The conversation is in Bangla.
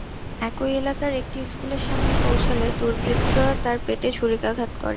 একই এলাকার একটি স্কুলের সামনে পৌঁছালে দুর্বৃত্তরা তাঁর পেটে ছুরিকাঘাত করে।